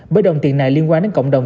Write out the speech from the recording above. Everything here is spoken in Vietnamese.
bởi đồng tiền này liên quan đến cộng đồng